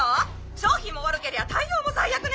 商品も悪けりゃ対応も最悪ね！